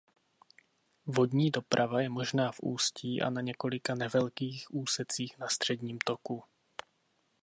Vodní doprava je možná v ústí a na několika nevelkých úsecích na středním toku.